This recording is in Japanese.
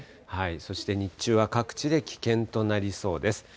そして日中は、各地で危険となりそうです。